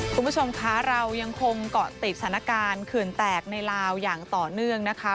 คุณผู้ชมคะเรายังคงเกาะติดสถานการณ์เขื่อนแตกในลาวอย่างต่อเนื่องนะคะ